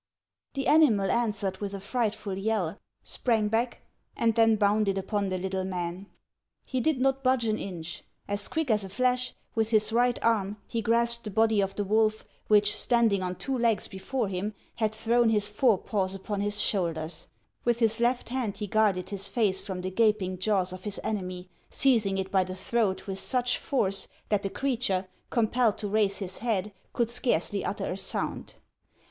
The animal answered with a frightful yell, sprang back, and then bounded upon the little man. He did not budge an inch. As quick as a flash, with his right arm he grasped the body of the wolf, which, standing on two legs before him, had thrown his fore paws upon his shoulders ; with his left hand he guarded his face from the gaping jaws of his enemy, seizing it by the throat with such force that the creature, compelled to raise his head, could scarcely utter a sound.